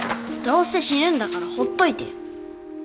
どうせ死ぬんだからほっといてよ。